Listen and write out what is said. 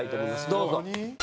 どうぞ。